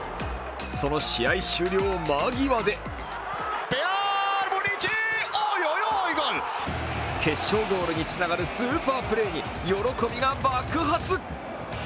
その試合終了間際で決勝ゴールにつながるスーパープレーに喜びが爆発。